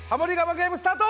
ゲームスタート